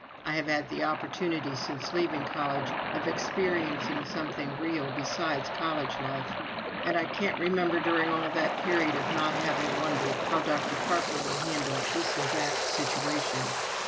... I have had the opportunity since leaving college of experiencing something real besides college life and I can't remember during all that period of not having wondered how Dr. Parker would handle this or that situation.